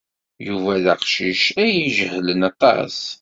Yuba d aqcic ay ijehlen aṭas.